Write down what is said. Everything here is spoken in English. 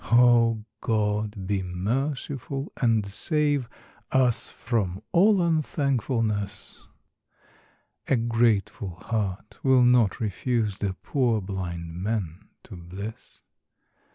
. Oh, God, be merciful and save Us from all un thank fulness ! A grateful heart will not refuse The poor blind man to bless.